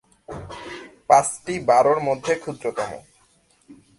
পাঁচটি বরোর মধ্যে ক্ষুদ্রতম।